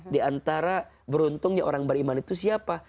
di antara beruntungnya orang beriman itu siapa